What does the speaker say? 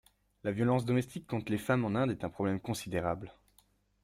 La violence domestique contre les femmes en Inde est un problème considérable.